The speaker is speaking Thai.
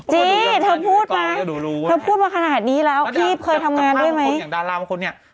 พี่เธอพูดมาเธอพูดมาขนาดนี้แล้วพี่เคยทำงานด้วยไหมอย่างดาราบางคนเนี่ย